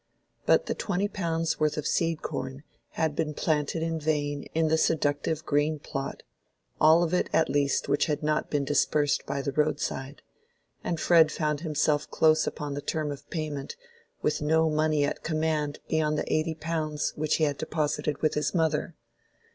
But the twenty pounds' worth of seed corn had been planted in vain in the seductive green plot—all of it at least which had not been dispersed by the roadside—and Fred found himself close upon the term of payment with no money at command beyond the eighty pounds which he had deposited with his mother.